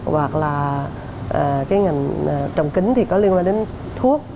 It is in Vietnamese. hoặc là cái ngành trồng kính thì có liên quan đến thuốc